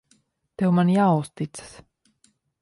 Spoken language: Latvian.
Tev man jāuzticas.